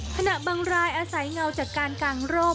ขณะบังรายอาศัยเหงาจากกาลกลางรม